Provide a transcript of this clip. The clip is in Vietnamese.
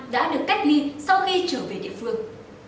đã được cách ly sau khi trở về địa phương